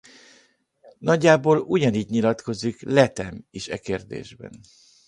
Nagyjából ugyanígy nyilatkozik Latham is e kérdésben.